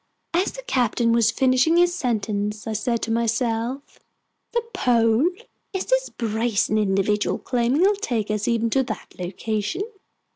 As the captain was finishing his sentence, I said to myself: "The pole! Is this brazen individual claiming he'll take us even to that location?"